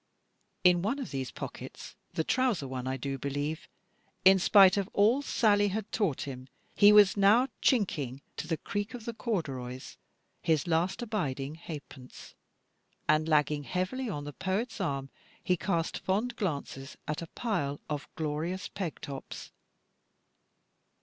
In one of these pockets, the trouser one I do believe, in spite of all Sally had taught him, he was now chinking, to the creak of the corduroys, his last abiding halfpence, and lagging heavily on the poet's arm, he cast fond glances at a pile of glorious peg tops.